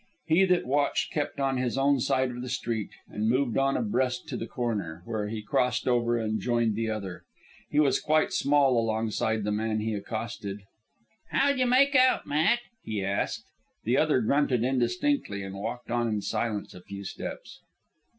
He that watched kept on his own side of the street and moved on abreast to the corner, where he crossed over and joined the other. He was quite small alongside the man he accosted. "How'd you make out, Matt?" he asked. The other grunted indistinctly, and walked on in silence a few steps.